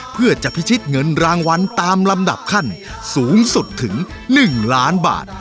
เพื่อจะพิชิตเงินรางวัลตามลำดับขั้นสูงสุดถึง๑ล้านบาท